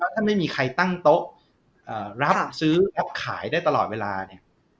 ถ้าไม่มีใครตั้งโต๊ะรับซื้อแอปขายได้ตลอดเวลาเนี่ย